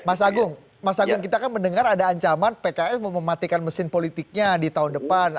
mas agung mas agung kita kan mendengar ada ancaman pks mematikan mesin politiknya di tahun depan